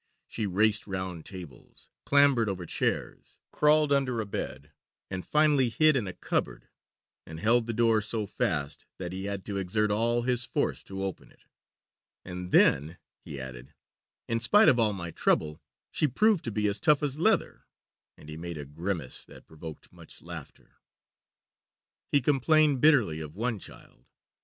She raced round tables, clambered over chairs, crawled under a bed, and finally hid in a cupboard and held the door so fast that he had to exert all his force to open it. "And then," he added, "in spite of all my trouble she proved to be as tough as leather " and he made a grimace that provoked much laughter. He complained bitterly of one child.